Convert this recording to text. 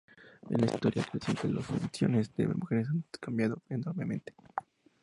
En la historia reciente, las funciones de las mujeres han cambiado enormemente.